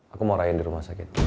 aku mau rayain di rumah sakit